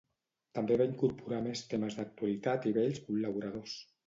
També va incorporar més temes d'actualitat i vells col·laboradors.